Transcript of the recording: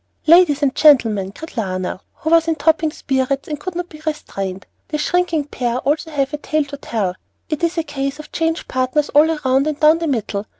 "Ladies and gentlemen," cried Lionel, who was in topping spirits and could not be restrained, "this shrinking pair also have a tale to tell. It is a case of 'change partners all round and down the middle.'